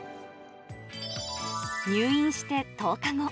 入院して１０日後。